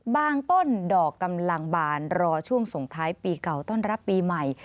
ต้นดอกกำลังบานรอช่วงส่งท้ายปีเก่าต้อนรับปีใหม่